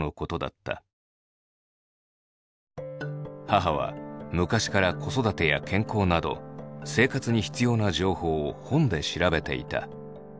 母は昔から子育てや健康など生活に必要な情報を本で調べていた。